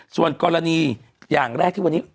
ส่วนกรณีอย่างแรกที่วันนี้